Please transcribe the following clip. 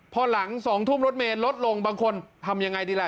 พอหลัง๒ทุ่มรถเมย์ลดลงบางคนทำยังไงดีล่ะ